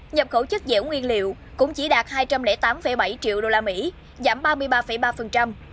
nhập khẩu chất dẻo nguyên liệu cũng chỉ đạt hai trăm linh tám bảy triệu đô la mỹ giảm ba mươi ba ba